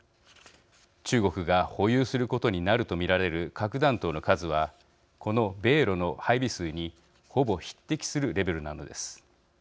中国が保有することになると見られる核弾頭の数はこの米ロの配備数にほぼ匹敵するレベルなのです。